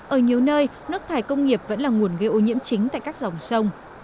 ở nhiều nơi nước thải công nghiệp vẫn là nguồn gây ô nhiễm chính tại các dòng sông